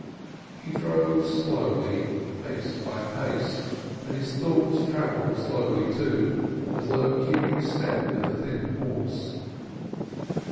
He drove slowly, pace by pace, and his thoughts travelled slowly too, as though keeping step with the thin horse.